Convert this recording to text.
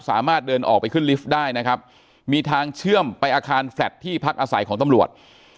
สามารถเดินออกไปขึ้นลิฟต์ได้นะครับมีทางเชื่อมไปอาคารแฟลตที่พักอาศัยของตำรวจ